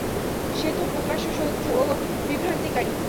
সেতো প্রকাশ্য শত্রু ও বিভ্রান্তিকারী।